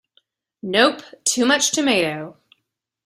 Nope! Too much tomato.